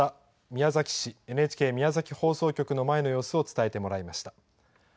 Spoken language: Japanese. ＮＨＫ宮崎放送局の前の様子を伝えてもらいました。